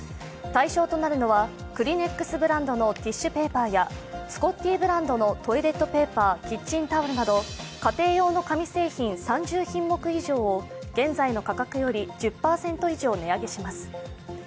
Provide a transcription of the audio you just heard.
対象となるのはクリネックスブランドのティッシュペーパーやスコッティブランドのトイレットペーパー、キッチンタオルなど家庭用の紙製品３０品目以上を現在の価格より１０％以上値上げします。